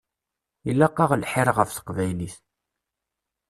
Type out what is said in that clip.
Ilaq-aɣ lḥir ɣef teqbaylit.